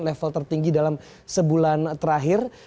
level tertinggi dalam sebulan terakhir